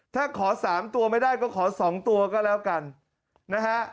ถ้าขอ๓ตัวไม่ได้ก็ขอ๒ตัวก็แล้วกันนะฮะ